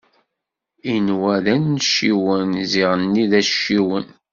Inwa d anciwen, ziɣenni d acciwen.